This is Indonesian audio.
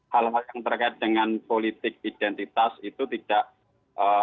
hal hal yang terkait dengan politik ideologi dan kebijakan